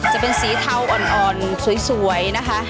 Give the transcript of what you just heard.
จะเป็นสีเทาอ่อนสวยนะคะ